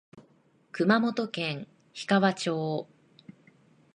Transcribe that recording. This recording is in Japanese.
熊本県氷川町